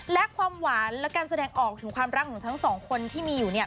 และความหวานและการแสดงออกถึงความรักของทั้งสองคนที่มีอยู่เนี่ย